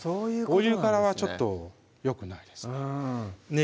お湯からはちょっとよくないですね